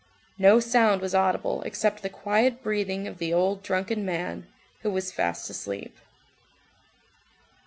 No sound was audible except the quiet breathing of the old drunken man, who was fast asleep.